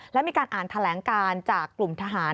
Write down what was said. และมีการอ่านแถลงการจากกลุ่มทหาร